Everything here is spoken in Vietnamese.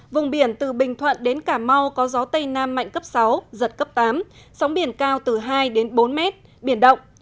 vùng biển từ bình thuận đến cà mau có gió tây nam mạnh cấp sáu giật cấp tám sóng biển cao từ hai đến bốn mét biển động